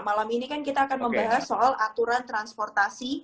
malam ini kan kita akan membahas soal aturan transportasi